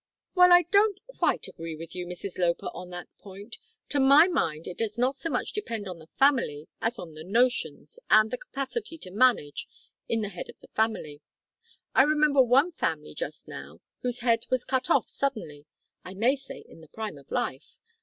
"Well, I don't quite agree with you, Mrs Loper, on that point. To my mind it does not so much depend on the family, as on the notions, and the capacity to manage, in the head of the family. I remember one family just now, whose head was cut off suddenly, I may say in the prime of life.